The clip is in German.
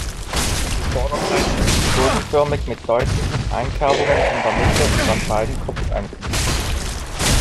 Die Vorderseite ist bogenförmig mit deutlichen Einkerbungen in der Mitte und an beiden Kopfenden.